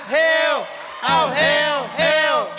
เฮ้วเอ้าเฮ้วเฮ้ว